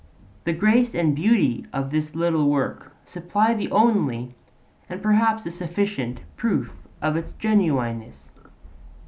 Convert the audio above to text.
The grace and beauty of this little work supply the only, and perhaps a sufficient, proof of its genuineness.